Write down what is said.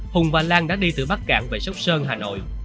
hùng và lan đã đi từ bắc cạn về sóc sơn hà nội